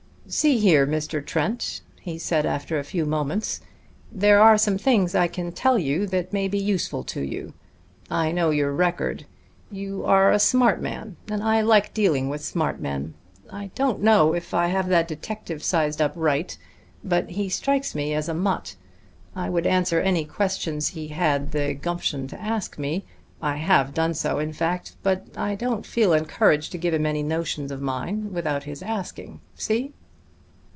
"See here, Mr. Trent," he said after a few moments. "There are some things I can tell you that may be useful to you. I know your record. You are a smart man, and I like dealing with smart men. I don't know if I have that detective sized up right, but he strikes me as a mutt. I would answer any questions he had the gumption to ask me I have done so, in fact but I don't feel encouraged to give him any notions of mine without his asking. See?"